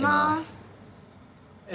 え